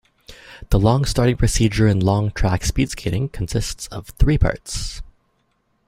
The starting procedure in long-track speed-skating consists of three parts.